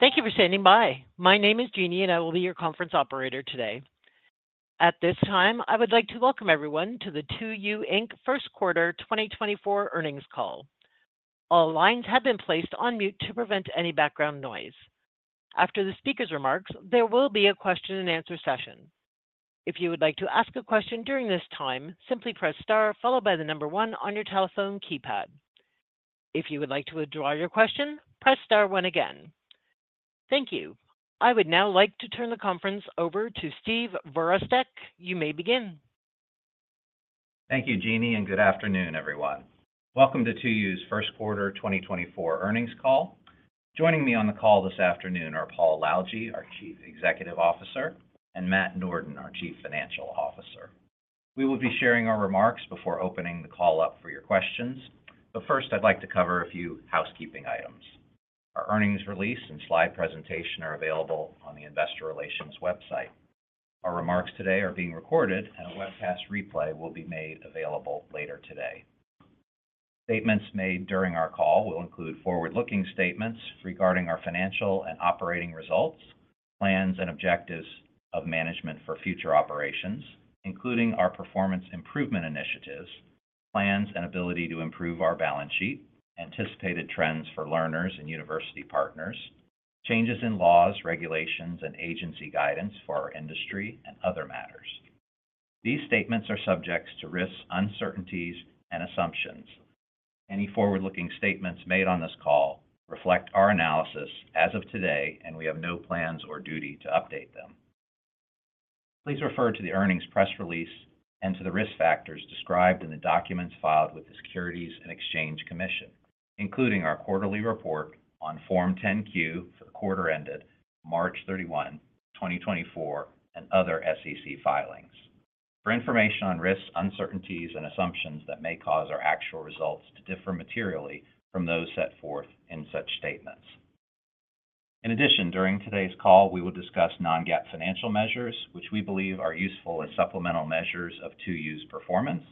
Thank you for standing by. My name is Jeannie, and I will be your conference operator today. At this time, I would like to welcome everyone to the 2U, Inc. First Quarter 2024 earnings call. All lines have been placed on mute to prevent any background noise. After the speaker's remarks, there will be a question-and-answer session. If you would like to ask a question during this time, simply press star followed by the number one on your telephone keypad. If you would like to withdraw your question, press star one again. Thank you. I would now like to turn the conference over to Steve Virostek. You may begin. Thank you, Jeannie, and good afternoon, everyone. Welcome to 2U's First Quarter 2024 earnings call. Joining me on the call this afternoon are Paul Lalljie, our Chief Executive Officer, and Matt Norden, our Chief Financial Officer. We will be sharing our remarks before opening the call up for your questions, but first I'd like to cover a few housekeeping items. Our earnings release and slide presentation are available on the Investor Relations website. Our remarks today are being recorded, and a webcast replay will be made available later today. Statements made during our call will include forward-looking statements regarding our financial and operating results, plans and objectives of management for future operations, including our performance improvement initiatives, plans and ability to improve our balance sheet, anticipated trends for learners and university partners, changes in laws, regulations, and agency guidance for our industry, and other matters. These statements are subject to risks, uncertainties, and assumptions. Any forward-looking statements made on this call reflect our analysis as of today, and we have no plans or duty to update them. Please refer to the earnings press release and to the risk factors described in the documents filed with the Securities and Exchange Commission, including our quarterly report on Form 10-Q for the quarter ended March 31, 2024, and other SEC filings. For information on risks, uncertainties, and assumptions that may cause our actual results to differ materially from those set forth in such statements. In addition, during today's call we will discuss non-GAAP financial measures, which we believe are useful as supplemental measures of 2U's performance.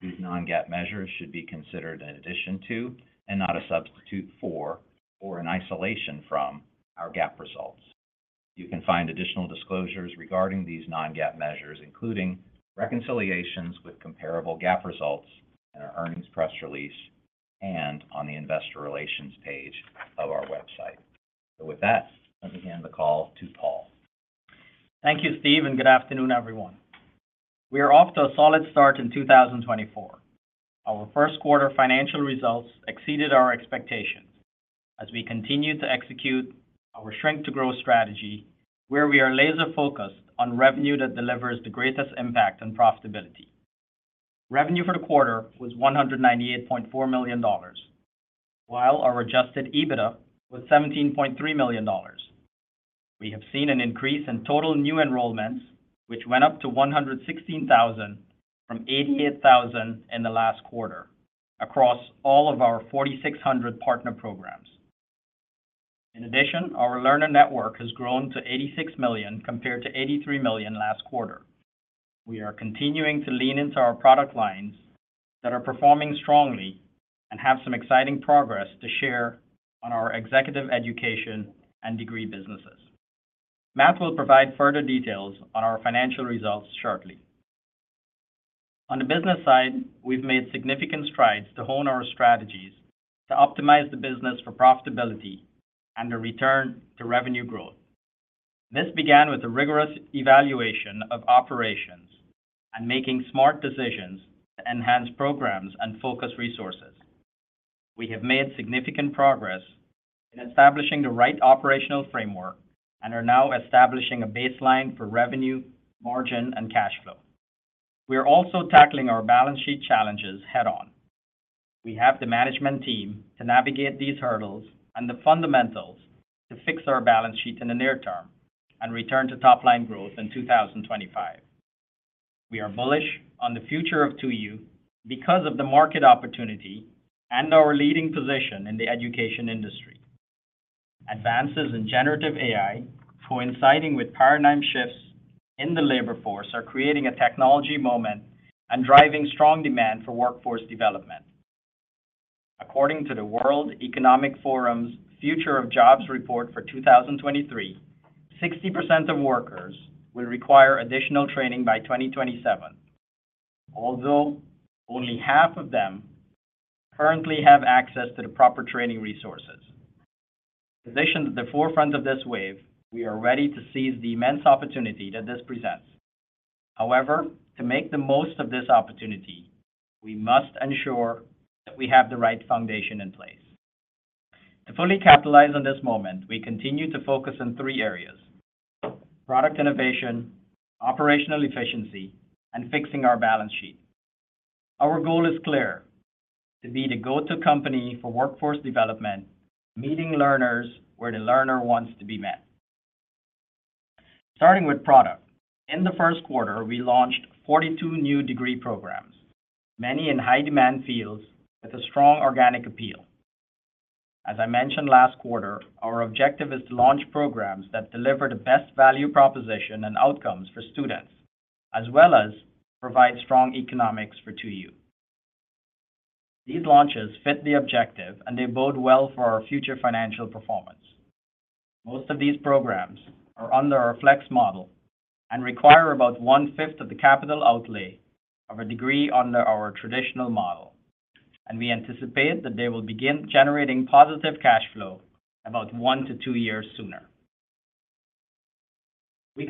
These non-GAAP measures should be considered an addition to, and not a substitute for, or an isolation from, our GAAP results. You can find additional disclosures regarding these non-GAAP measures, including reconciliations with comparable GAAP results in our earnings press release and on the Investor Relations page of our website. With that, let me hand the call to Paul. Thank you, Steve, and good afternoon, everyone. We are off to a solid start in 2024. Our first quarter financial results exceeded our expectations. As we continue to execute our Shrink-to-Growth Strategy, where we are laser-focused on revenue that delivers the greatest impact on profitability. Revenue for the quarter was $198.4 million, while our Adjusted EBITDA was $17.3 million. We have seen an increase in total new enrollments, which went up to 116,000 from 88,000 in the last quarter, across all of our 4,600 partner programs. In addition, our learner network has grown to 86 million compared to 83 million last quarter. We are continuing to lean into our product lines that are performing strongly and have some exciting progress to share on our executive education and degree businesses. Matt will provide further details on our financial results shortly. On the business side, we've made significant strides to hone our strategies to optimize the business for profitability and a return to revenue growth. This began with a rigorous evaluation of operations and making smart decisions to enhance programs and focus resources. We have made significant progress in establishing the right operational framework and are now establishing a baseline for revenue, margin, and cash flow. We are also tackling our balance sheet challenges head-on. We have the management team to navigate these hurdles and the fundamentals to fix our balance sheet in the near term and return to top-line growth in 2025. We are bullish on the future of 2U because of the market opportunity and our leading position in the education industry. Advances in generative AI, coinciding with paradigm shifts in the labor force, are creating a technology moment and driving strong demand for workforce development. According to the World Economic Forum's Future of Jobs Report for 2023, 60% of workers will require additional training by 2027, although only half of them currently have access to the proper training resources. Positioned at the forefront of this wave, we are ready to seize the immense opportunity that this presents. However, to make the most of this opportunity, we must ensure that we have the right foundation in place. To fully capitalize on this moment, we continue to focus on three areas: product innovation, operational efficiency, and fixing our balance sheet. Our goal is clear: to be the go-to company for workforce development, meeting learners where the learner wants to be met. Starting with product, in the first quarter we launched 42 new degree programs, many in high-demand fields with a strong organic appeal. As I mentioned last quarter, our objective is to launch programs that deliver the best value proposition and outcomes for students, as well as provide strong economics for 2U. These launches fit the objective, and they bode well for our future financial performance. Most of these programs are under our Flex model and require about one-fifth of the capital outlay of a degree under our traditional model, and we anticipate that they will begin generating positive cash flow about one to two years sooner. We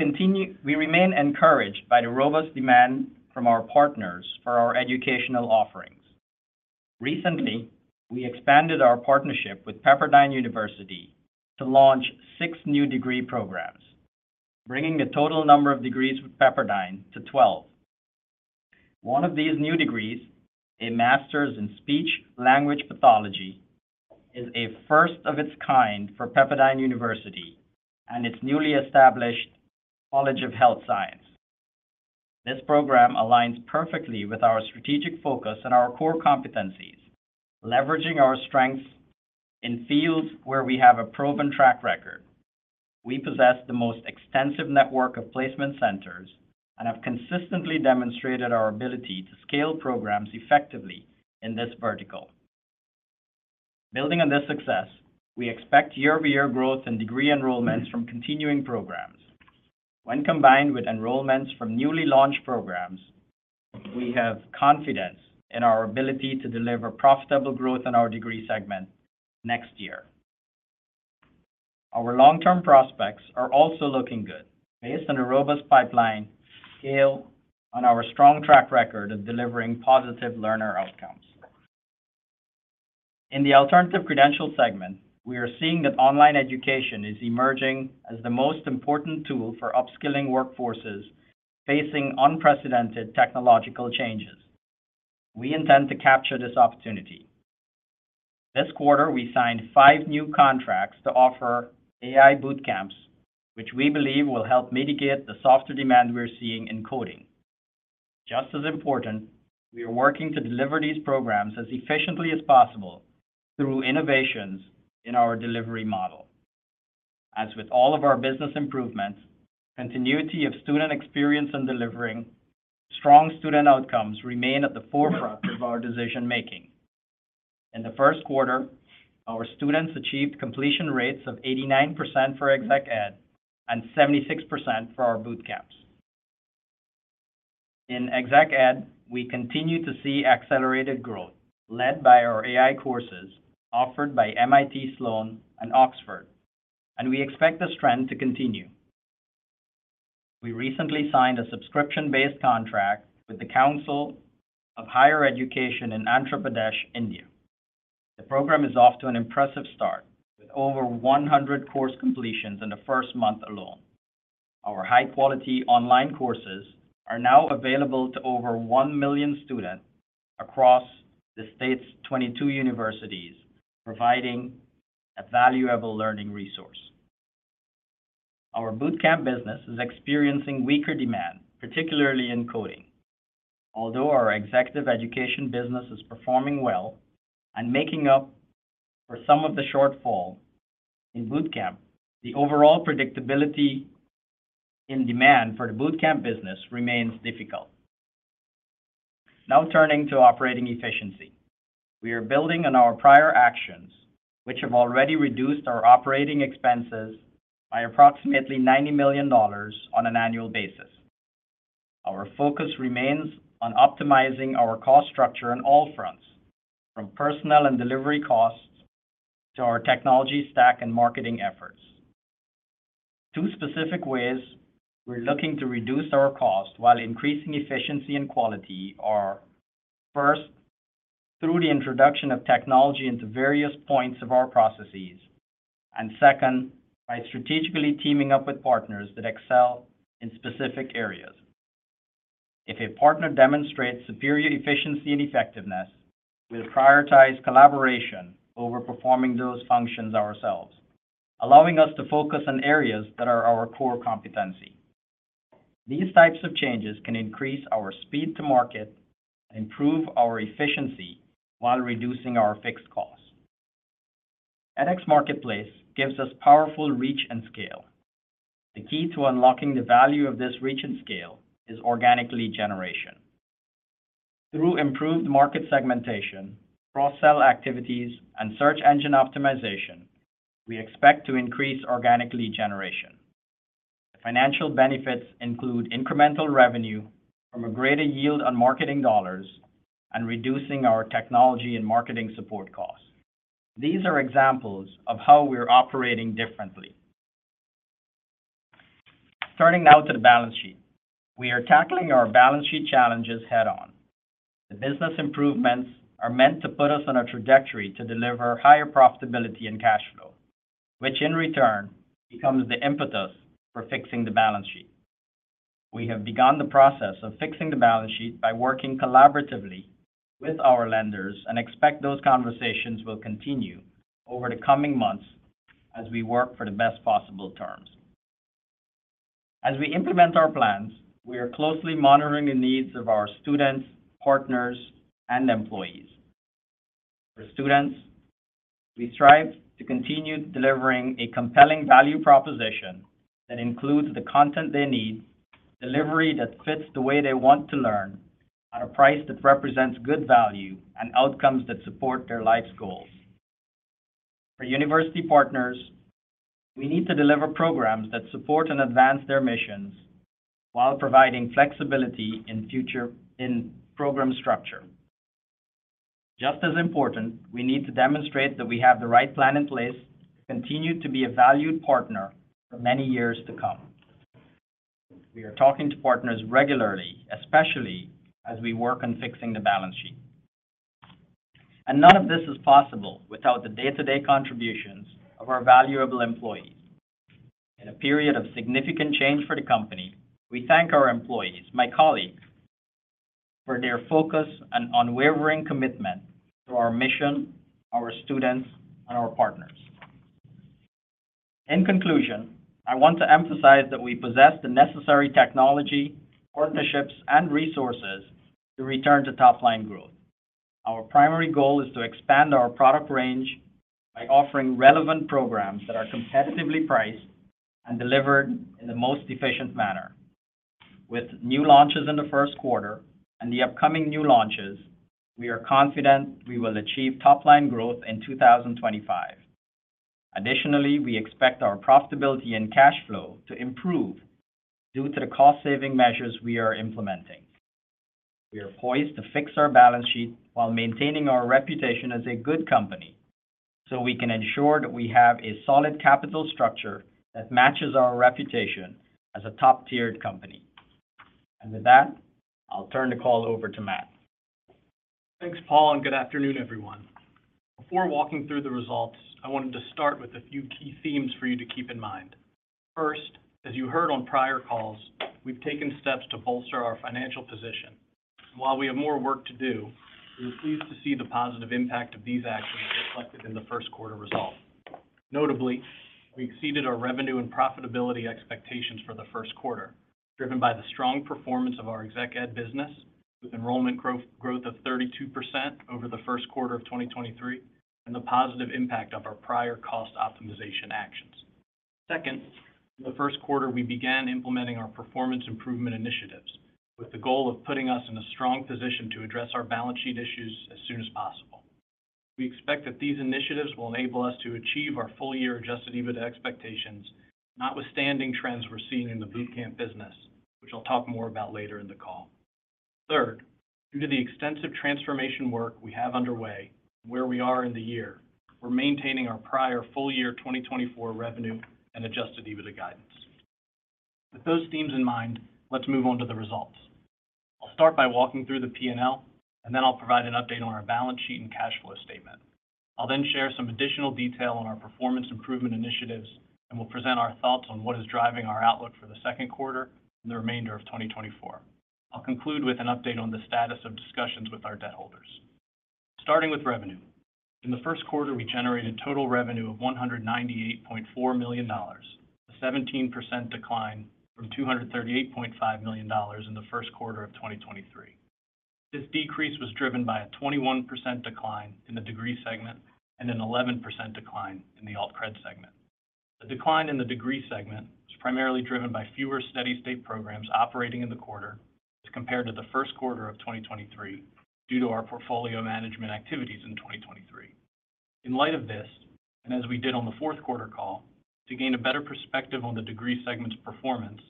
remain encouraged by the robust demand from our partners for our educational offerings. Recently, we expanded our partnership with Pepperdine University to launch six new degree programs, bringing the total number of degrees with Pepperdine to 12. One of these new degrees, a Master's in Speech-Language Pathology, is a first of its kind for Pepperdine University and its newly established College of Health Science. This program aligns perfectly with our strategic focus and our core competencies, leveraging our strengths in fields where we have a proven track record. We possess the most extensive network of placement centers and have consistently demonstrated our ability to scale programs effectively in this vertical. Building on this success, we expect year-over-year growth in degree enrollments from continuing programs. When combined with enrollments from newly launched programs, we have confidence in our ability to deliver profitable growth in our degree segment next year. Our long-term prospects are also looking good, based on a robust pipeline scale on our strong track record of delivering positive learner outcomes. In the alternative credential segment, we are seeing that online education is emerging as the most important tool for upskilling workforces facing unprecedented technological changes. We intend to capture this opportunity. This quarter we signed five new contracts to offer AI bootcamps, which we believe will help mitigate the softer demand we're seeing in coding. Just as important, we are working to deliver these programs as efficiently as possible through innovations in our delivery model. As with all of our business improvements, continuity of student experience in delivering strong student outcomes remain at the forefront of our decision-making. In the first quarter, our students achieved completion rates of 89% for Exec Ed and 76% for our bootcamps. In Exec Ed, we continue to see accelerated growth led by our AI courses offered by MIT Sloan and Oxford, and we expect this trend to continue. We recently signed a subscription-based contract with the Council of Higher Education in Andhra Pradesh, India. The program is off to an impressive start, with over 100 course completions in the first month alone. Our high-quality online courses are now available to over 1 million students across the state's 22 universities, providing a valuable learning resource. Our bootcamp business is experiencing weaker demand, particularly in coding. Although our executive education business is performing well and making up for some of the shortfall in bootcamp, the overall predictability in demand for the bootcamp business remains difficult. Now turning to operating efficiency. We are building on our prior actions, which have already reduced our operating expenses by approximately $90 million on an annual basis. Our focus remains on optimizing our cost structure on all fronts, from personal and delivery costs to our technology stack and marketing efforts. Two specific ways we're looking to reduce our cost while increasing efficiency and quality are: first, through the introduction of technology into various points of our processes, and second, by strategically teaming up with partners that excel in specific areas. If a partner demonstrates superior efficiency and effectiveness, we'll prioritize collaboration over performing those functions ourselves, allowing us to focus on areas that are our core competency. These types of changes can increase our speed to market and improve our efficiency while reducing our fixed costs. edX Marketplace gives us powerful reach and scale. The key to unlocking the value of this reach and scale is organic lead generation. Through improved market segmentation, cross-sell activities, and search engine optimization, we expect to increase organic lead generation. The financial benefits include incremental revenue from a greater yield on marketing dollars and reducing our technology and marketing support costs. These are examples of how we're operating differently. Turning now to the balance sheet. We are tackling our balance sheet challenges head-on. The business improvements are meant to put us on a trajectory to deliver higher profitability and cash flow, which in return becomes the impetus for fixing the balance sheet. We have begun the process of fixing the balance sheet by working collaboratively with our lenders and expect those conversations will continue over the coming months as we work for the best possible terms. As we implement our plans, we are closely monitoring the needs of our students, partners, and employees. For students, we strive to continue delivering a compelling value proposition that includes the content they need, delivery that fits the way they want to learn, at a price that represents good value and outcomes that support their life's goals. For university partners, we need to deliver programs that support and advance their missions while providing flexibility in program structure. Just as important, we need to demonstrate that we have the right plan in place to continue to be a valued partner for many years to come. We are talking to partners regularly, especially as we work on fixing the balance sheet. None of this is possible without the day-to-day contributions of our valuable employees. In a period of significant change for the company, we thank our employees, my colleagues, for their focus and unwavering commitment to our mission, our students, and our partners. In conclusion, I want to emphasize that we possess the necessary technology, partnerships, and resources to return to top-line growth. Our primary goal is to expand our product range by offering relevant programs that are competitively priced and delivered in the most efficient manner. With new launches in the first quarter and the upcoming new launches, we are confident we will achieve top-line growth in 2025. Additionally, we expect our profitability and cash flow to improve due to the cost-saving measures we are implementing. We are poised to fix our balance sheet while maintaining our reputation as a good company, so we can ensure that we have a solid capital structure that matches our reputation as a top-tiered company. And with that, I'll turn the call over to Matt. Thanks, Paul, and good afternoon, everyone. Before walking through the results, I wanted to start with a few key themes for you to keep in mind. First, as you heard on prior calls, we've taken steps to bolster our financial position. While we have more work to do, we are pleased to see the positive impact of these actions reflected in the first quarter result. Notably, we exceeded our revenue and profitability expectations for the first quarter, driven by the strong performance of our Exec Ed business with enrollment growth of 32% over the first quarter of 2023 and the positive impact of our prior cost optimization actions. Second, in the first quarter we began implementing our performance improvement initiatives with the goal of putting us in a strong position to address our balance sheet issues as soon as possible. We expect that these initiatives will enable us to achieve our full-year Adjusted EBITDA expectations, notwithstanding trends we're seeing in the bootcamp business, which I'll talk more about later in the call. Third, due to the extensive transformation work we have underway and where we are in the year, we're maintaining our prior full-year 2024 revenue and adjusted EBITDA guidance. With those themes in mind, let's move on to the results. I'll start by walking through the P&L, and then I'll provide an update on our balance sheet and cash flow statement. I'll then share some additional detail on our performance improvement initiatives, and we'll present our thoughts on what is driving our outlook for the second quarter and the remainder of 2024. I'll conclude with an update on the status of discussions with our debt holders. Starting with revenue. In the first quarter we generated total revenue of $198.4 million, a 17% decline from $238.5 million in the first quarter of 2023. This decrease was driven by a 21% decline in the degree segment and an 11% decline in the alt-cred segment. The decline in the degree segment was primarily driven by fewer steady-state programs operating in the quarter as compared to the first quarter of 2023 due to our portfolio management activities in 2023. In light of this, and as we did on the fourth quarter call, to gain a better perspective on the degree segment's performance,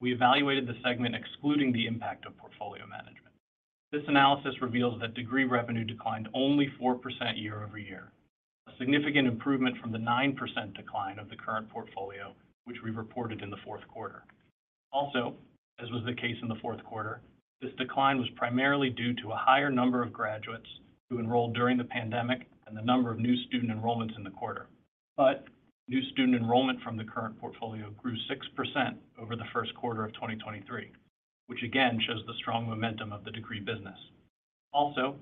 we evaluated the segment excluding the impact of portfolio management. This analysis reveals that degree revenue declined only 4% year-over-year, a significant improvement from the 9% decline of the current portfolio, which we reported in the fourth quarter. Also, as was the case in the fourth quarter, this decline was primarily due to a higher number of graduates who enrolled during the pandemic and the number of new student enrollments in the quarter. But new student enrollment from the current portfolio grew 6% over the first quarter of 2023, which again shows the strong momentum of the degree business. Also,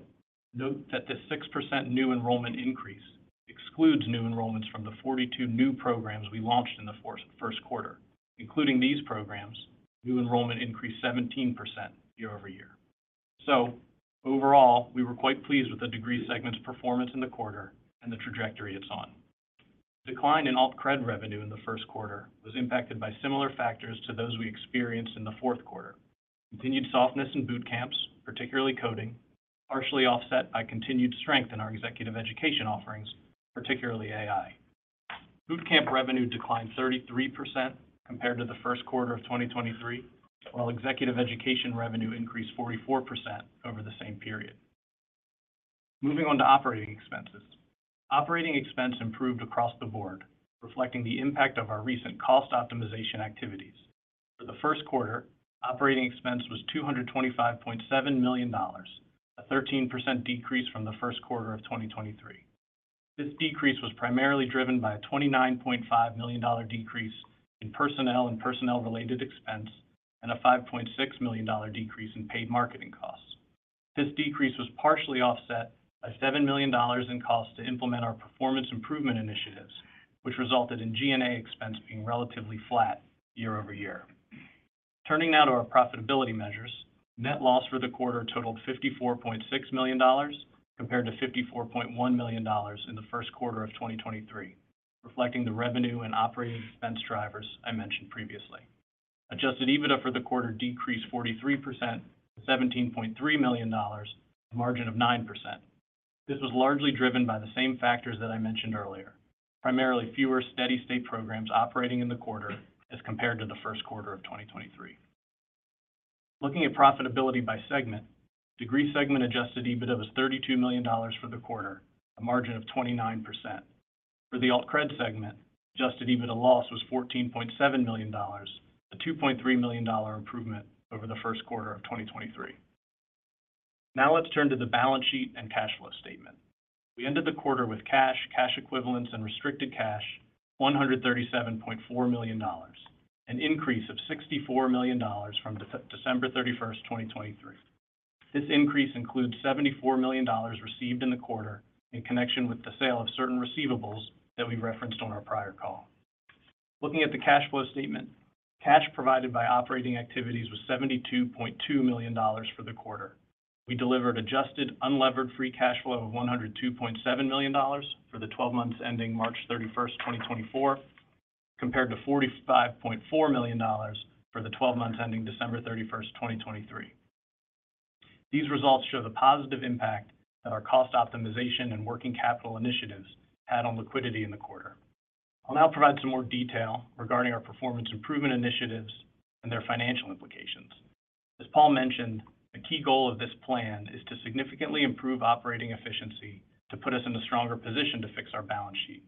note that this 6% new enrollment increase excludes new enrollments from the 42 new programs we launched in the first quarter. Including these programs, new enrollment increased 17% year-over-year. So overall, we were quite pleased with the degree segment's performance in the quarter and the trajectory it's on. The decline in alt-cred revenue in the first quarter was impacted by similar factors to those we experienced in the fourth quarter: continued softness in bootcamps, particularly coding, partially offset by continued strength in our executive education offerings, particularly AI. Bootcamp revenue declined 33% compared to the first quarter of 2023, while executive education revenue increased 44% over the same period. Moving on to operating expenses. Operating expense improved across the board, reflecting the impact of our recent cost optimization activities. For the first quarter, operating expense was $225.7 million, a 13% decrease from the first quarter of 2023. This decrease was primarily driven by a $29.5 million decrease in personnel and personnel-related expense and a $5.6 million decrease in paid marketing costs. This decrease was partially offset by $7 million in costs to implement our performance improvement initiatives, which resulted in G&A expense being relatively flat year-over-year. Turning now to our profitability measures, net loss for the quarter totaled $54.6 million compared to $54.1 million in the first quarter of 2023, reflecting the revenue and operating expense drivers I mentioned previously. Adjusted EBITDA for the quarter decreased 43% to $17.3 million, a margin of 9%. This was largely driven by the same factors that I mentioned earlier, primarily fewer steady-state programs operating in the quarter as compared to the first quarter of 2023. Looking at profitability by segment, degree segment adjusted EBITDA was $32 million for the quarter, a margin of 29%. For the alt-cred segment, adjusted EBITDA loss was $14.7 million, a $2.3 million improvement over the first quarter of 2023. Now let's turn to the balance sheet and cash flow statement. We ended the quarter with cash, cash equivalents, and restricted cash $137.4 million, an increase of $64 million from December 31, 2023. This increase includes $74 million received in the quarter in connection with the sale of certain receivables that we referenced on our prior call. Looking at the cash flow statement, cash provided by operating activities was $72.2 million for the quarter. We delivered Adjusted Unlevered Free Cash Flow of $102.7 million for the 12 months ending March 31, 2024, compared to $45.4 million for the 12 months ending December 31, 2023. These results show the positive impact that our cost optimization and working capital initiatives had on liquidity in the quarter. I'll now provide some more detail regarding our performance improvement initiatives and their financial implications. As Paul mentioned, the key goal of this plan is to significantly improve operating efficiency to put us in a stronger position to fix our balance sheet.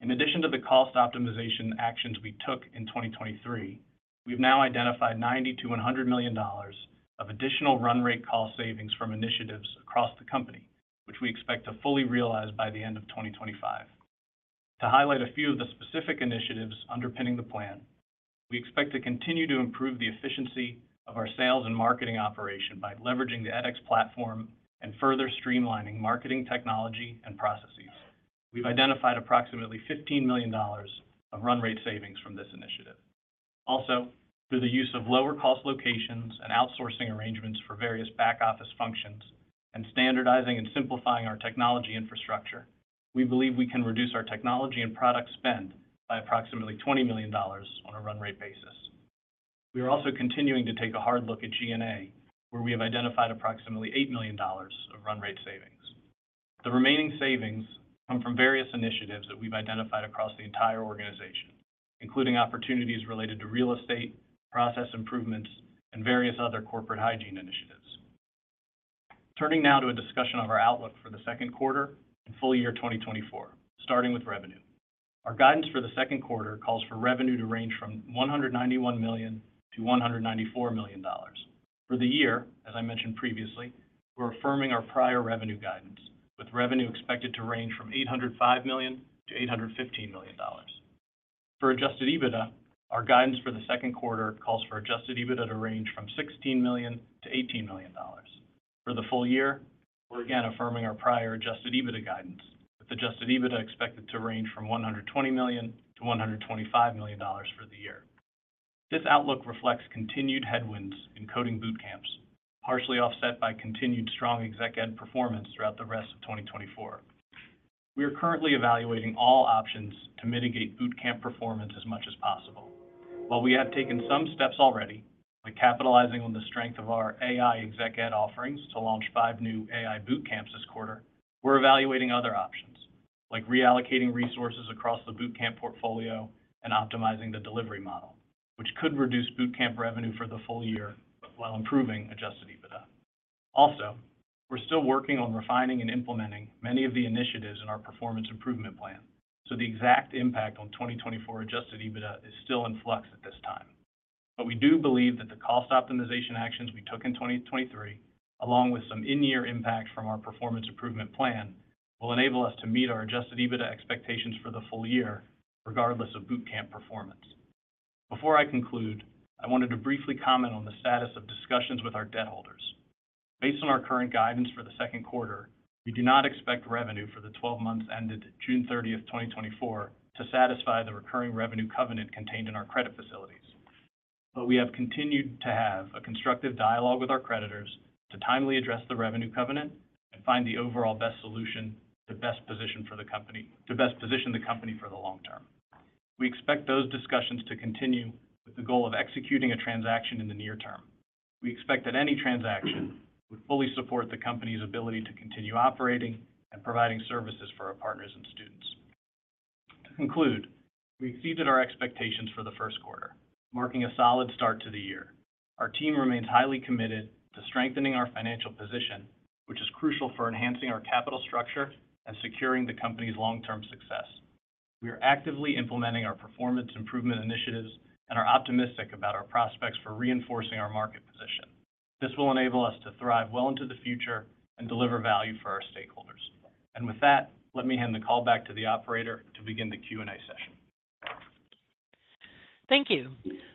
In addition to the cost optimization actions we took in 2023, we've now identified $90-$100 million of additional run-rate cost savings from initiatives across the company, which we expect to fully realize by the end of 2025. To highlight a few of the specific initiatives underpinning the plan, we expect to continue to improve the efficiency of our sales and marketing operation by leveraging the edX platform and further streamlining marketing technology and processes. We've identified approximately $15 million of run-rate savings from this initiative. Also, through the use of lower-cost locations and outsourcing arrangements for various back-office functions and standardizing and simplifying our technology infrastructure, we believe we can reduce our technology and product spend by approximately $20 million on a run-rate basis. We are also continuing to take a hard look at G&A, where we have identified approximately $8 million of run-rate savings. The remaining savings come from various initiatives that we've identified across the entire organization, including opportunities related to real estate, process improvements, and various other corporate hygiene initiatives. Turning now to a discussion of our outlook for the second quarter and full year 2024, starting with revenue. Our guidance for the second quarter calls for revenue to range from $191 million-$194 million. For the year, as I mentioned previously, we're affirming our prior revenue guidance, with revenue expected to range from $805 million-$815 million. For Adjusted EBITDA, our guidance for the second quarter calls for Adjusted EBITDA to range from $16 million-$18 million. For the full year, we're again affirming our prior Adjusted EBITDA guidance, with Adjusted EBITDA expected to range from $120 million-$125 million for the year. This outlook reflects continued headwinds in coding bootcamps, partially offset by continued strong Exec Ed performance throughout the rest of 2024. We are currently evaluating all options to mitigate bootcamp performance as much as possible. While we have taken some steps already, like capitalizing on the strength of our AI Exec Ed offerings to launch five new AI bootcamps this quarter, we're evaluating other options, like reallocating resources across the bootcamp portfolio and optimizing the delivery model, which could reduce bootcamp revenue for the full year while improving Adjusted EBITDA. Also, we're still working on refining and implementing many of the initiatives in our performance improvement plan, so the exact impact on 2024 Adjusted EBITDA is still in flux at this time. We do believe that the cost optimization actions we took in 2023, along with some in-year impact from our performance improvement plan, will enable us to meet our Adjusted EBITDA expectations for the full year, regardless of bootcamp performance. Before I conclude, I wanted to briefly comment on the status of discussions with our debt holders. Based on our current guidance for the second quarter, we do not expect revenue for the 12 months ended June 30, 2024, to satisfy the Recurring Revenue Covenant contained in our credit facilities. We have continued to have a constructive dialogue with our creditors to timely address the revenue covenant and find the overall best solution to best position the company to best position the company for the long term. We expect those discussions to continue with the goal of executing a transaction in the near term. We expect that any transaction would fully support the company's ability to continue operating and providing services for our partners and students. To conclude, we exceeded our expectations for the first quarter, marking a solid start to the year. Our team remains highly committed to strengthening our financial position, which is crucial for enhancing our capital structure and securing the company's long-term success. We are actively implementing our performance improvement initiatives and are optimistic about our prospects for reinforcing our market position. This will enable us to thrive well into the future and deliver value for our stakeholders. With that, let me hand the call back to the operator to begin the Q&A session. Thank you.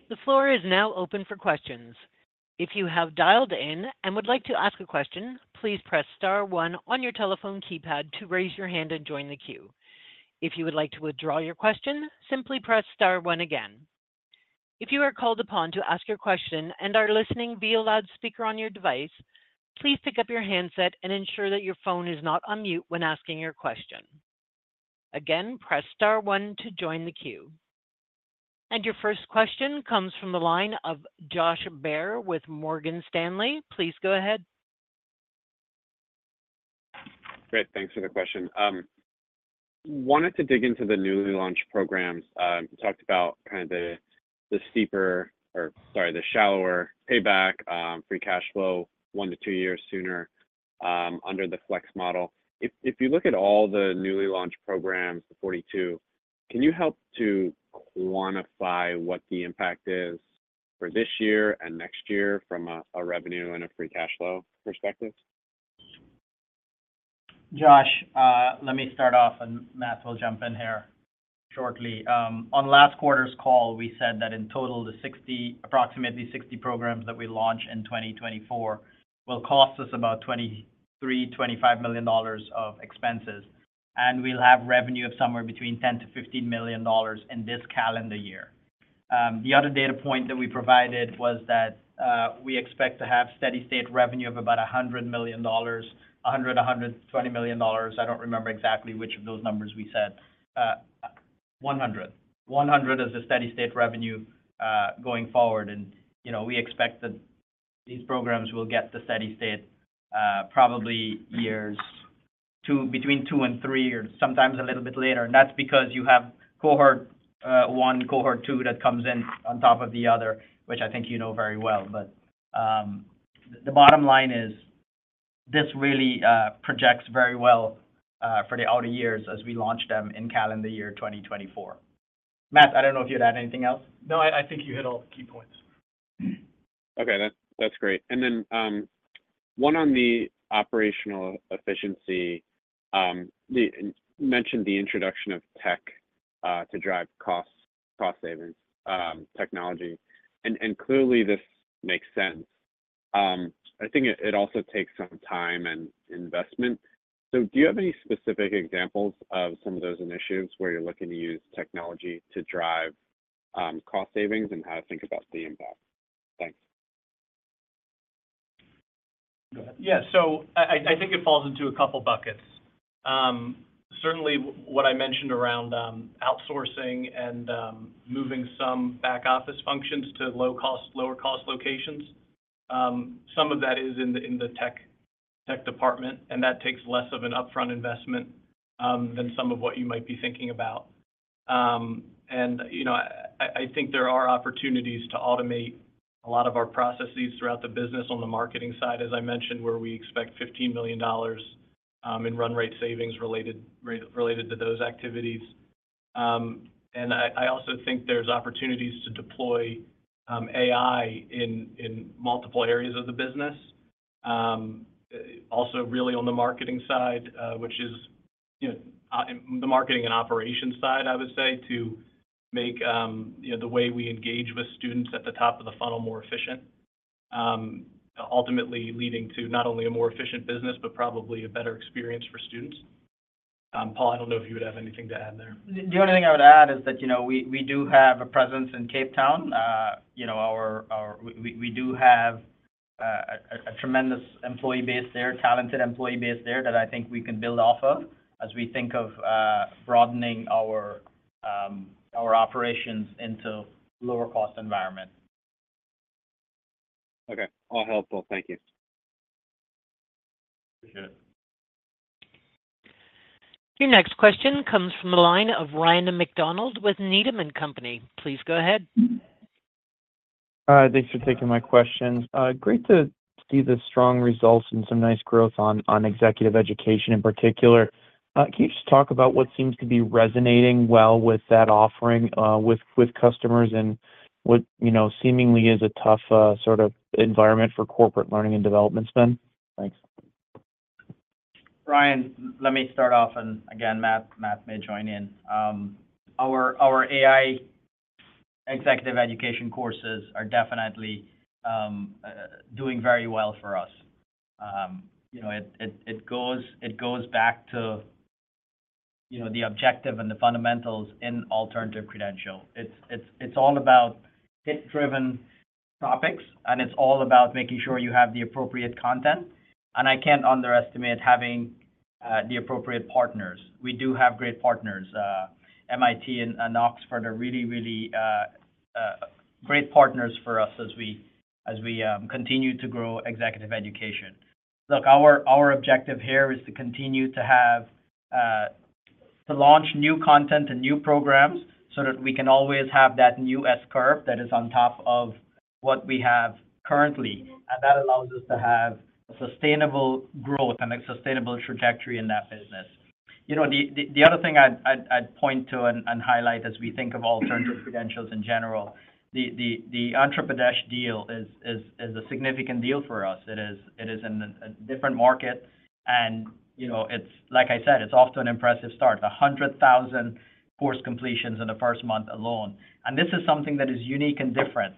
The floor is now open for questions. If you have dialed in and would like to ask a question, please press star one on your telephone keypad to raise your hand and join the queue. If you would like to withdraw your question, simply press star one again. If you are called upon to ask your question and are listening via loudspeaker on your device, please pick up your handset and ensure that your phone is not on mute when asking your question. Again, press star one to join the queue. And your first question comes from the line of Josh Baer with Morgan Stanley. Please go ahead. Great. Thanks for the question. Wanted to dig into the newly launched programs. Talked about kind of the steeper, sorry, the shallower payback, free cash flow one to two years sooner under the Flex model. If you look at all the newly launched programs, the 42, can you help to quantify what the impact is for this year and next year from a revenue and a free cash flow perspective? Josh, let me start off, and Matt will jump in here shortly. On last quarter's call, we said that in total, the approximately 60 programs that we launch in 2024 will cost us about $23-$25 million of expenses, and we'll have revenue of somewhere between $10-$15 million in this calendar year. The other data point that we provided was that we expect to have steady-state revenue of about $100 million-$120 million. I don't remember exactly which of those numbers we said. 100. 100 as the steady-state revenue going forward. And we expect that these programs will get the steady-state probably years between two and three or sometimes a little bit later. That's because you have cohort one, cohort two that comes in on top of the other, which I think you know very well. But the bottom line is this really projects very well for the outer years as we launch them in calendar year 2024. Matt, I don't know if you had anything else. No, I think you hit all the key points. Okay. That's great. And then one on the operational efficiency. You mentioned the introduction of tech to drive cost savings, technology. And clearly, this makes sense. I think it also takes some time and investment. So do you have any specific examples of some of those initiatives where you're looking to use technology to drive cost savings and how to think about the impact? Thanks. Go ahead. Yeah. So I think it falls into a couple of buckets. Certainly, what I mentioned around outsourcing and moving some back-office functions to lower-cost locations, some of that is in the tech department, and that takes less of an upfront investment than some of what you might be thinking about. And I think there are opportunities to automate a lot of our processes throughout the business on the marketing side, as I mentioned, where we expect $15 million in run-rate savings related to those activities. And I also think there's opportunities to deploy AI in multiple areas of the business, also really on the marketing side, which is the marketing and operations side, I would say, to make the way we engage with students at the top of the funnel more efficient, ultimately leading to not only a more efficient business but probably a better experience for students. Paul, I don't know if you would have anything to add there. The only thing I would add is that we do have a presence in Cape Town. We do have a tremendous employee base there, talented employee base there that I think we can build off of as we think of broadening our operations into a lower-cost environment. Okay. All helpful. Thank you. Appreciate it. Your next question comes from the line of Ryan MacDonald with Needham & Company. Please go ahead. Thanks for taking my questions. Great to see the strong results and some nice growth on executive education in particular. Can you just talk about what seems to be resonating well with that offering with customers in what seemingly is a tough sort of environment for corporate learning and development spend? Thanks. Ryan, let me start off. And again, Matt may join in. Our AI executive education courses are definitely doing very well for us. It goes back to the objective and the fundamentals in alternative credential. It's all about hit-driven topics, and it's all about making sure you have the appropriate content. And I can't underestimate having the appropriate partners. We do have great partners. MIT and Oxford are really, really great partners for us as we continue to grow executive education. Look, our objective here is to continue to launch new content and new programs so that we can always have that new S-curve that is on top of what we have currently. And that allows us to have sustainable growth and a sustainable trajectory in that business. The other thing I'd point to and highlight as we think of alternative credentials in general, the Andhra Pradesh deal is a significant deal for us. It is in a different market. And like I said, it's often an impressive start, 100,000 course completions in the first month alone. And this is something that is unique and different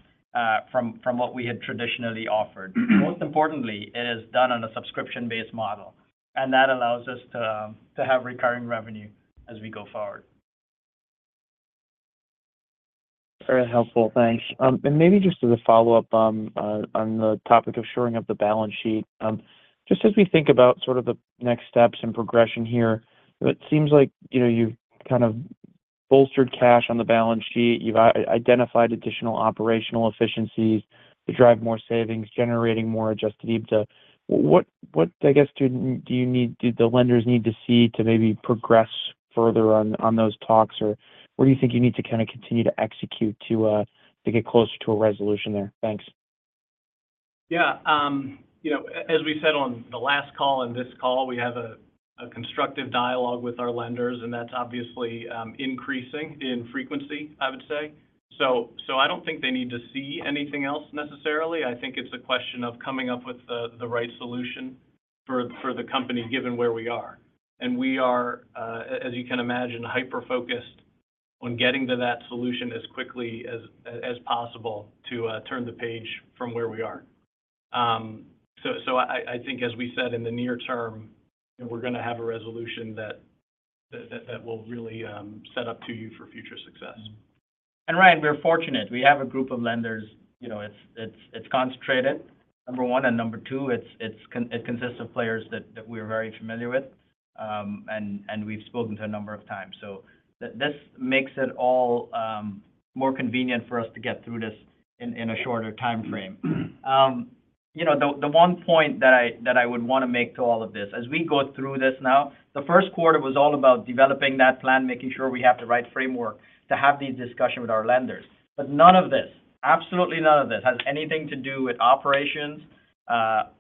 from what we had traditionally offered. Most importantly, it is done on a subscription-based model. And that allows us to have recurring revenue as we go forward. Very helpful. Thanks. And maybe just as a follow-up on the topic of shoring up the balance sheet, just as we think about sort of the next steps and progression here, it seems like you've kind of bolstered cash on the balance sheet. You've identified additional operational efficiencies to drive more savings, generating more adjusted EBITDA. What, I guess, do you need do the lenders need to see to maybe progress further on those talks, or what do you think you need to kind of continue to execute to get closer to a resolution there? Thanks. Yeah. As we said on the last call and this call, we have a constructive dialogue with our lenders, and that's obviously increasing in frequency, I would say. So I don't think they need to see anything else necessarily. I think it's a question of coming up with the right solution for the company given where we are. And we are, as you can imagine, hyper-focused on getting to that solution as quickly as possible to turn the page from where we are. So I think, as we said, in the near term, we're going to have a resolution that will really set up 2U for future success. And Ryan, we're fortunate. We have a group of lenders. It's concentrated, number one. And number two, it consists of players that we are very familiar with, and we've spoken to a number of times. So this makes it all more convenient for us to get through this in a shorter time frame. The one point that I would want to make to all of this, as we go through this now, the first quarter was all about developing that plan, making sure we have the right framework to have these discussions with our lenders. But none of this, absolutely none of this, has anything to do with operations,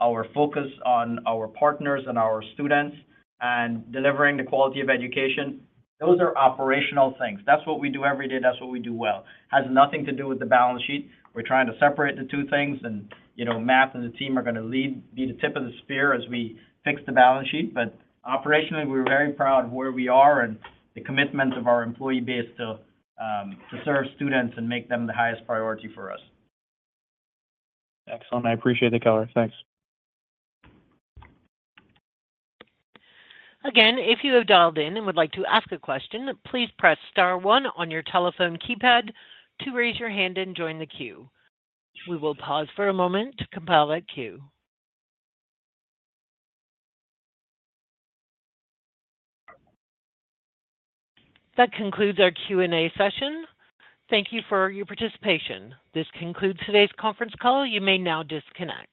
our focus on our partners and our students, and delivering the quality of education. Those are operational things. That's what we do every day. That's what we do well. Has nothing to do with the balance sheet. We're trying to separate the two things. Matt and the team are going to be the tip of the spear as we fix the balance sheet. Operationally, we're very proud of where we are and the commitment of our employee base to serve students and make them the highest priority for us. Excellent. I appreciate the color. Thanks. Again, if you have dialed in and would like to ask a question, please press star one on your telephone keypad to raise your hand and join the queue. We will pause for a moment to compile that queue. That concludes our Q&A session. Thank you for your participation. This concludes today's conference call. You may now disconnect.